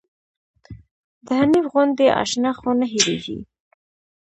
د حنيف غوندې اشنا خو نه هيريږي